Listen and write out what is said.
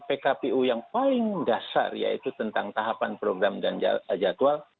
pkpu yang paling dasar yaitu tentang tahapan program dan jadwal